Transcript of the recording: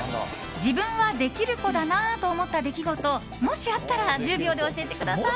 自分はできる子だなと思った出来事もしあったら１０秒で教えてください。